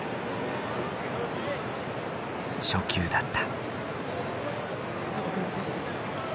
初球だった。